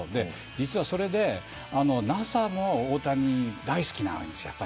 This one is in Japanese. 実はそれでＮＡＳＡも大谷、大好きなんです。